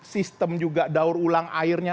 sistem juga daur ulang airnya